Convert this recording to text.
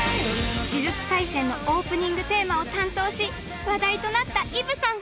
『呪術廻戦』のオープニングテーマを担当し話題となったＥｖｅさん。